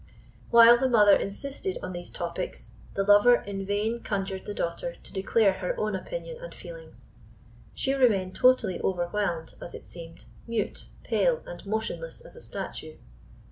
While the mother insisted on these topics, the lover in vain conjured the daughter to declare her own opinion and feelings. She remained totally overwhelmed, as it seemed—mute, pale, and motionless as a statue.